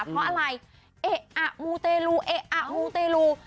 เพราะอะไรเอ๊ะอะมูเตลูเอ๊ะอะมูเตลู